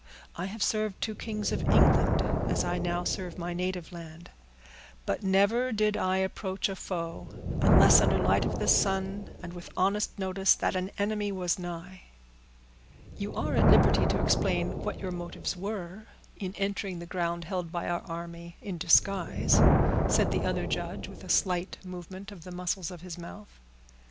I have served two kings of England, as I now serve my native land; but never did I approach a foe, unless under the light of the sun, and with honest notice that an enemy was nigh." "You are at liberty to explain what your motives were in entering the ground held by our army in disguise," said the other judge, with a slight movement of the muscles of his mouth.